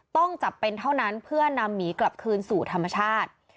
ต้องจับเป็นเท่านั้นเพื่อนำหมีกลับคืนสู่ธรรมชาติ